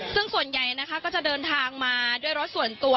ซึ่งส่วนใหญ่นะคะก็จะเดินทางมาด้วยรถส่วนตัว